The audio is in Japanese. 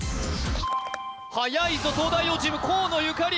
はやいぞ東大王チーム河野ゆかり